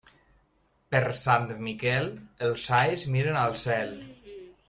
Per Sant Miquel, els alls miren al cel.